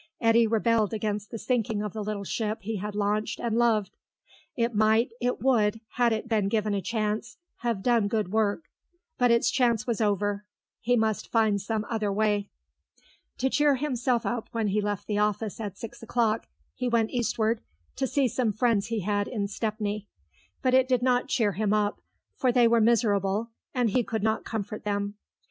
Eddy rebelled against the sinking of the little ship he had launched and loved; it might, it would, had it been given a chance, have done good work. But its chance was over; he must find some other way. To cheer himself up when he left the office at six o'clock, he went eastward, to see some friends he had in Stepney. But it did not cheer him up, for they were miserable, and he could not comfort them.